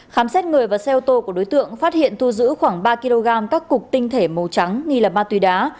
khám xét người và xe ô tô của đối tượng phát hiện thu giữ khoảng ba kg các cục tinh thể màu trắng nghi là ma túy đá